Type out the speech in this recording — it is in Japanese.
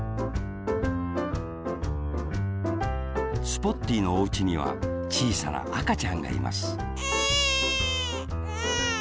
スポッティーのおうちにはちいさなあかちゃんがいますエンエン。